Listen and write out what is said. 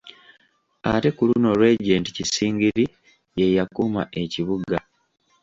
Ate ku luno Regent Kisingiri ye yakuuma Ekibuga.